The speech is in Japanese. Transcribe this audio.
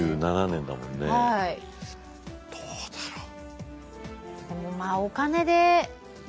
どうだろう。